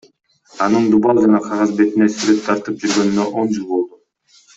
Анын дубал жана кагаз бетине сүрөт тартып жүргөнүнө он жыл болду.